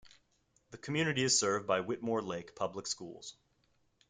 The community is served by Whitmore Lake Public Schools.